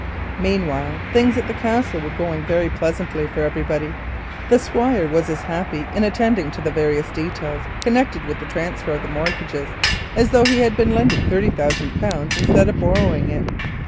Meanwhile, things at the Castle were going very pleasantly for everybody. The Squire was as happy in attending to the various details connected with the transfer of the mortgages as though he had been lending thirty thousand pounds instead of borrowing them.